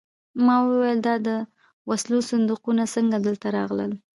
ما وویل دا د وسلو صندوقونه څنګه دلته راغلل